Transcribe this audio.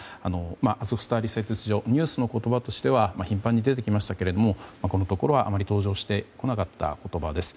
アゾフスタリ製鉄所ニュースの言葉としては頻繁に出てきましたけれどもこのところはあまり登場してこなかった言葉です。